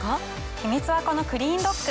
秘密はこのクリーンドック。